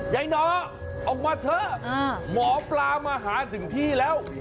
ยายน้อออกมาเถอะหมอปลามาหาถึงที่แล้ว